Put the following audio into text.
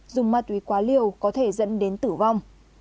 dùng ma túy quá liều có thể dẫn đến tử vong